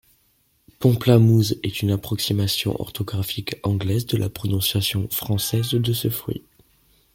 Pomplamoose est une approximation orthographique anglaise de la prononciation française de ce fruit.